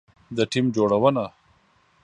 د ټیم جوړونه